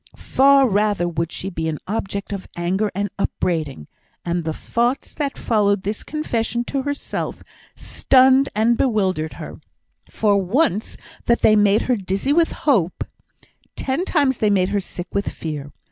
far rather would she be an object of anger and upbraiding; and the thoughts that followed this confession to herself, stunned and bewildered her; and for once that they made her dizzy with hope, ten times they made her sick with fear.